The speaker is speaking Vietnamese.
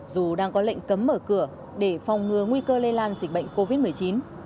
dù đang có lệnh cấm mở cửa để phòng ngừa nguy cơ lây lan dịch bệnh covid một mươi chín